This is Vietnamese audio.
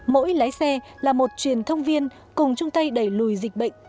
mỗi lái xe là một truyền thông viên cùng chung tay đẩy lùi dịch bệnh covid một mươi chín